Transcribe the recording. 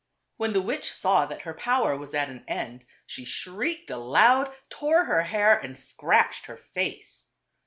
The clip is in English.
When the witch saw that her power was at an end, she shrieked aloud, tore her hair and scratched her face.